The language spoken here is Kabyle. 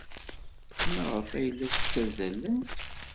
Maɣef ay la ttazzalent?